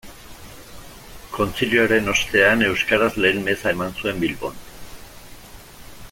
Kontzilioaren ostean euskaraz lehen meza eman zuen Bilbon.